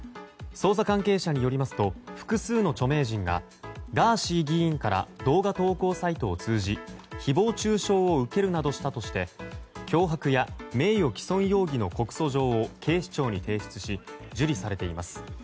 捜査関係者によりますと複数の著名人がガーシー議員から動画投稿サイトを通じ誹謗中傷を受けるなどしたとして脅迫や、名誉棄損容疑の告訴状を警視庁に提出し受理されています。